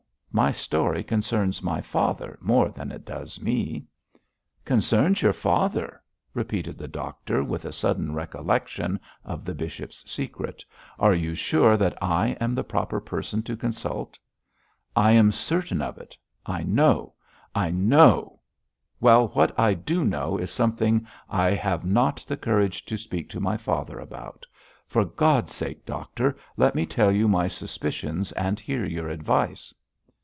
My story concerns my father more than it does me.' 'Concerns your father!' repeated the doctor, with a sudden recollection of the bishop's secret. 'Are you sure that I am the proper person to consult?' 'I am certain of it. I know I know well, what I do know is something I have not the courage to speak to my father about. For God's sake, doctor, let me tell you my suspicions and hear your advice.'